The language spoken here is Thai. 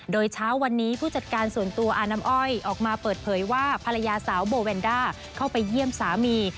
โดยเช้าวันนี้ผู้จัดการส่วนตัวอาน้ำอ้อยออกมาเปิดเผยว่าภรรยาสาวโบแวนด้าเข้าไปเยี่ยมสามี